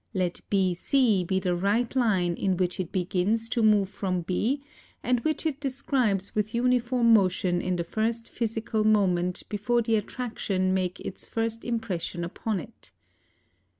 Let BC be the right line in which it begins to move from B & which it describes with uniform motion in the first physical moment before the attraction make its first impression upon it.